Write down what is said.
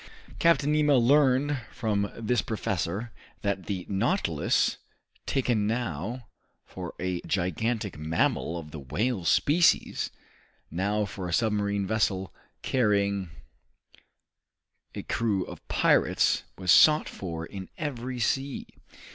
Captain Nemo learned from this professor that the "Nautilus," taken now for a gigantic mammal of the whale species, now for a submarine vessel carrying a crew of pirates, was sought for in every sea.